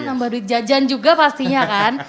nambah duit jajan juga pastinya kan